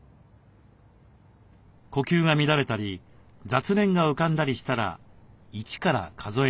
呼吸が乱れたり雑念が浮かんだりしたら一から数え直します。